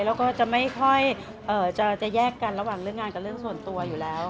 แล้วก็จะไม่ค่อยจะแยกกันระหว่างเรื่องงานกับเรื่องส่วนตัวอยู่แล้ว